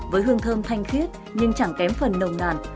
với hương thơm thanh tuyết nhưng chẳng kém phần nồng nàn